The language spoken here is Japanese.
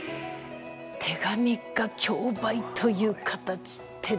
手紙が競売という形って。